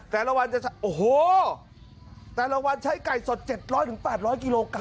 แต่ละวันจะโอ้โหแต่ละวันใช้ไก่สด๗๐๐๘๐๐กิโลกรั